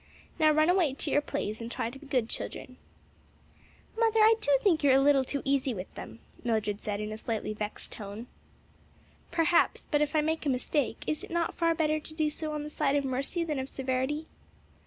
Now run away to your plays and try to be good children." "Mother, I do think you're a little too easy with them," Mildred said in a slightly vexed tone. "Perhaps; but if I make a mistake, is it not far better to do so on the side of mercy than of severity?"